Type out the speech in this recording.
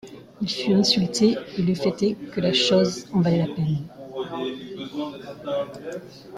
Il fut insulté, et le fait est que la chose en valait la peine.